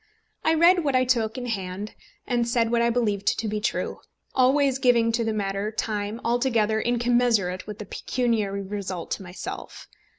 I read what I took in hand, and said what I believed to be true, always giving to the matter time altogether incommensurate with the pecuniary result to myself.